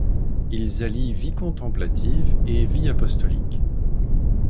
Ils allient vie contemplative et vie apostolique.